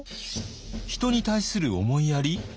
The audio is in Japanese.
人に対する思いやり？